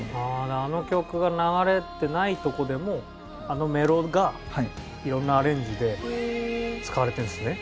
あああの曲が流れてないとこでもあのメロが色んなアレンジで使われてるんですね。